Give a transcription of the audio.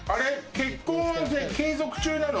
結婚は継続中なの？